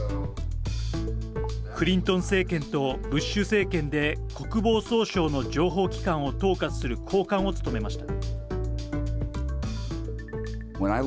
クリントン政権とブッシュ政権で国防総省の情報機関を統括する高官を務めました。